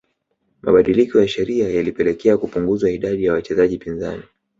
Mabadiliko ya sheria yalipelekea kupunguzwa idadi ya wachezaji pinzani